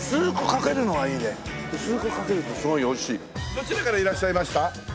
どちらからいらっしゃいました？